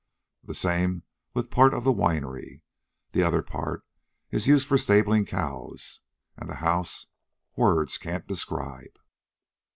The same with part of the winery the other part is used for stabling the cows. And the house! words can't describe!"